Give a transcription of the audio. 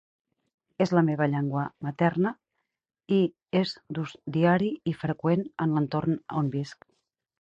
És la meva llengua materna i és d'ús diari i freqüent en l'entorn on visc.